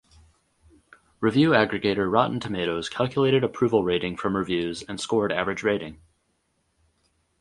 Review aggregator Rotten Tomatoes calculated approval rating from reviews and scored average rating.